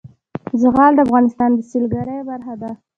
زغال د افغانستان د سیلګرۍ برخه ده.